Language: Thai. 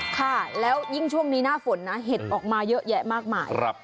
ค่ะแล้วยิ่งช่วงนี้หน้าฝนนะเห็ดออกมาเยอะแยะมากมาย